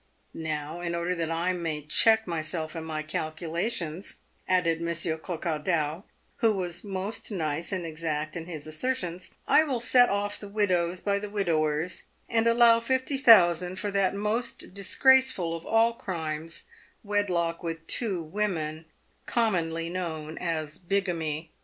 Now, in order that I may check myself in my cal culations," added Monsieur Coquardau, who was most nice and exact in his assertions, " I will set off the widows by the widowers, and allow fifty thousand for that most disgraceful of all crimes, wedlock with two women, commonly known as bigamy.